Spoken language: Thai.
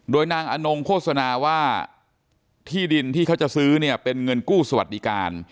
โดยนางอนงโฆษณาว่าที่ดินที่เขาจะซื้อเนี่ยเป็นเงินกู้สวัสดิการ